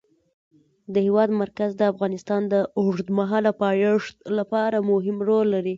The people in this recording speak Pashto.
د هېواد مرکز د افغانستان د اوږدمهاله پایښت لپاره مهم رول لري.